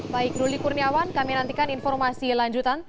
baik ruli kurniawan kami nantikan informasi lanjutan